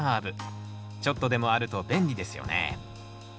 ちょっとでもあると便利ですよね。